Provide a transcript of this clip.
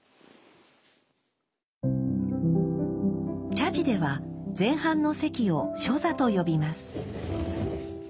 茶事では前半の席を初座と呼びます。